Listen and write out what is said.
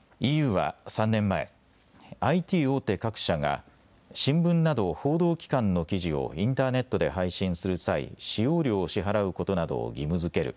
ＥＵは３年前、ＩＴ大手各社が新聞など報道機関の記事をインターネットで配信する際、使用料を支払うことなどを義務づける